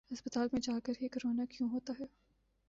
ہسپتال میں جاکر ہی کرونا کیوں ہوتا ہے ۔